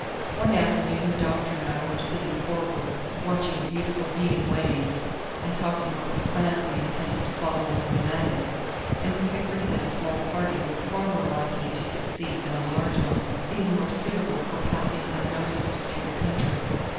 One afternoon the doctor and I were sitting forward watching the beautiful heaving waves, and talking over the plans we intended to follow when we landed, and we had agreed that a small party was far more likely to succeed than a large one, being more suitable for passing unnoticed through the country.